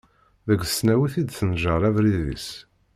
Deg tesnawit i d-tenǧer abrid-is.